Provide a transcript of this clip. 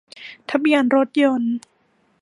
ทะเบียนรถยนต์